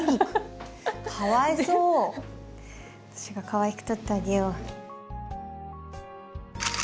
私がかわいく撮ってあげよう。